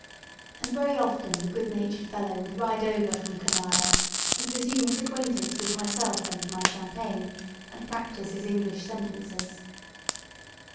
And very often the good natured fellow would ride over from Kamara, and resume his acquaintance with myself and my champagne, and practise his English sentences.